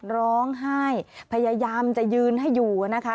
ร้องไห้พยายามจะยืนให้อยู่นะคะ